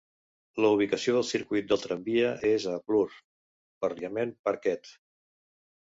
La ubicació del circuit del tramvia és ara Bloor - Parliament Parkette.